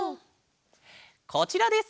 こちらです。